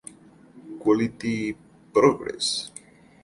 Quality Progress.